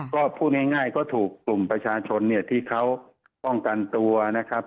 ก็พูดง่ายก็ถูกกลุ่มประชาชนเนี่ยที่เขาป้องกันตัวนะครับ